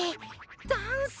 ダンス？